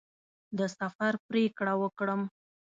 د سفر پرېکړه وکړم.